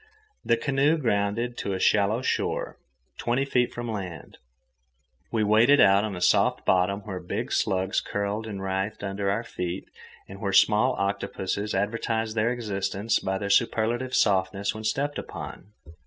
The canoe grounded on a shallow shore, twenty feet from land, and we waded out on a soft bottom where big slugs curled and writhed under our feet and where small octopuses advertised their existence by their superlative softness when stepped upon.